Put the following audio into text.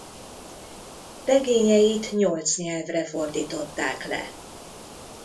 Regényeit nyolc nyelvre fordították le.